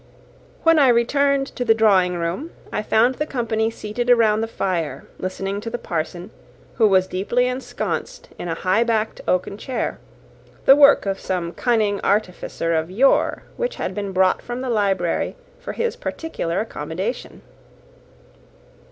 When I returned to the drawing room, I found the company seated around the fire, listening to the parson, who was deeply ensconced in a high backed oaken chair, the work of some cunning artificer of yore, which had been brought from the library for his particular accommodation.